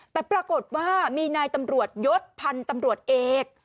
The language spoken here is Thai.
แต่ปรากฏว่ามีนายตำรวจยศพันธุ์ตำรวจเอก